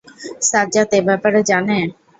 সাজ্জাদ এ ব্যাপারে জানে?